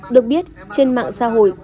được biết trên mạng xã hội